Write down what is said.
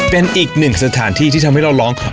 เป็นอีกหนึ่งสถานที่ที่ทำให้เราร้อง